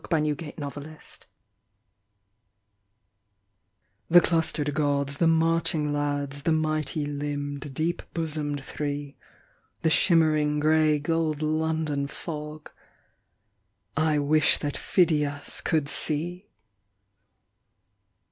. 101 THE ELGIN MARBLES The clustered Gods, the marching lads, The mighty limbed, deep bosomed Three, The shimmering grey gold London fog. ., I wish that Phidias could see